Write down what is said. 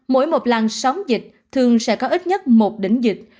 mỗi một làng sóng dịch thường sẽ có ít nhất một đỉnh dịch